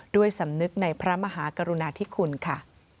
ด้วยสำนึกในพระมหากรุณาธิคุณค่ะ